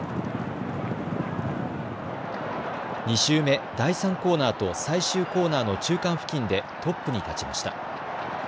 ２週目、第３コーナーと最終コーナーの中間付近でトップに立ちました。